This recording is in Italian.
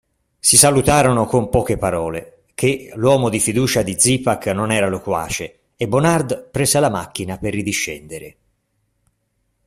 Si salutarono con poche parole, che l'uomo di fiducia di Zipak non era loquace, e Bonard prese la macchina per ridiscendere.